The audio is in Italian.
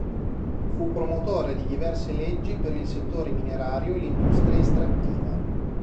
Fu promotore di diverse leggi per il settore minerario e l'industria estrattiva.